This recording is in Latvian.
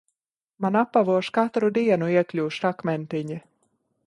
Man apavos katru dienu iekļūst akmentiņi.